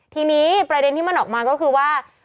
ทีนี้ประเด็นที่มันออกมาก็คือว่า